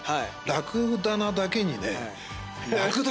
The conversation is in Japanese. ラクダなだけにね。